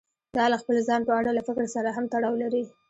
دا له خپل ځان په اړه له فکر سره هم تړاو لري.